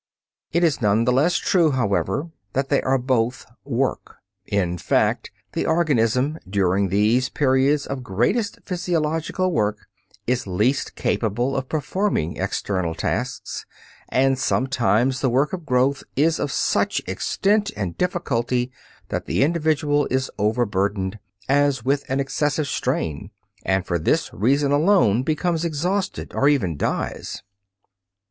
It is none the less true, however, that they are both "work." In fact, the organism during these periods of greatest physiological work is least capable of performing external tasks, and sometimes the work of growth is of such extent and difficulty that the individual is overburdened, as with an excessive strain, and for this reason alone becomes exhausted or even dies.